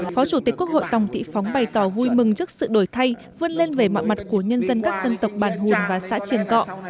phó chủ tịch quốc hội tòng thị phóng bày tỏ vui mừng trước sự đổi thay vươn lên về mọi mặt của nhân dân các dân tộc bản hùm và xã triềng cọ